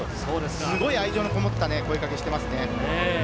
すごい愛情の込もった声かけしてますね。